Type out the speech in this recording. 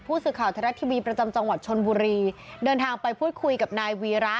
สื่อข่าวไทยรัฐทีวีประจำจังหวัดชนบุรีเดินทางไปพูดคุยกับนายวีระ